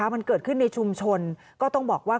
มันเกิดขึ้นในชุมชนก็ต้องบอกว่า